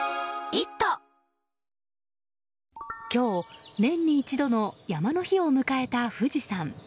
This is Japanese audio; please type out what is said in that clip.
今日、年に一度の山の日を迎えた富士山。